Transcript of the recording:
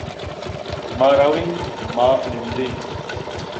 ما رو ایں، ما نِند ایں۔